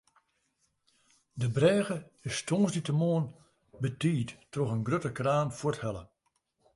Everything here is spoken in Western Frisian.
De brêge is tongersdeitemoarn betiid troch in grutte kraan fuorthelle.